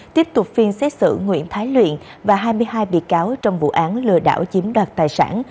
tiếp tục phiên xét xử nguyễn thái luyện và hai mươi hai bị cáo trong vụ án lừa đảo chiếm đoạt tài sản